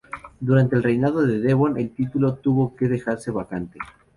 Durante el reinado de Devon, el título tuvo que dejarse vacante.